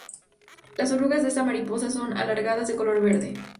Las orugas de esta mariposa son alargadas, de color verde.